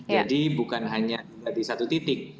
jadi bukan hanya di satu titik